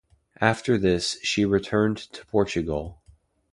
After this, she returned to Portugal.